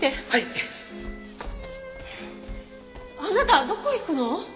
あなたどこ行くの？